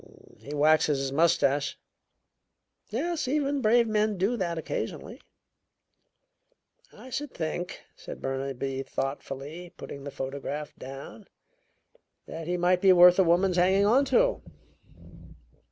"He waxes his mustache." "Yes, even brave men do that occasionally." "I should think," said Burnaby thoughtfully, putting the photograph down, "that he might be worth a woman's hanging on to."